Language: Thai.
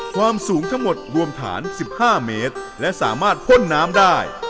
ความสูงทั้งหมดรวมฐาน๑๕เมตรและสามารถพ่นน้ำได้